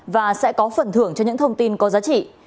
và sẽ có phần thưởng cho những thông tin có giá trị